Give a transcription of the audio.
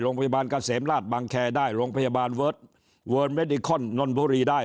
โรงพยาบาลเกษมราชบังแคร์ได้โรงพยาบาลเวิร์ดเวิร์ดเมดิคอนนบุรีได้